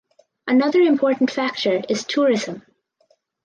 Another important factor is tourism.